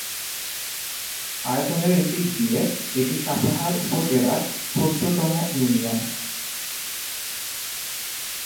আয়তনের দিক দিয়ে এটি সাপাহার উপজেলা র ক্ষুদ্রতম ইউনিয়ন।